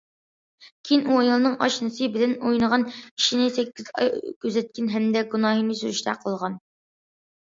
كېيىن ئۇ ئايالىنىڭ ئاشنىسى بىلەن ئوينىغان ئىشىنى سەككىز ئاي كۆزەتكەن ھەمدە گۇناھىنى سۈرۈشتە قىلغان.